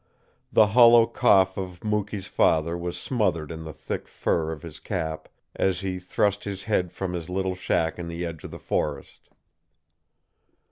The hollow cough of Mukee's father was smothered in the thick fur of his cap as he thrust his head from his little shack in the edge of the forest.